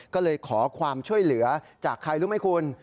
ก็เลยขอความช่วยเหลือจากใครรู้ไหมคุณ